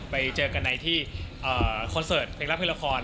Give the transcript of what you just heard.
ไปเจอกันในที่คอนเสิร์ตเพลงรับเพลงละคร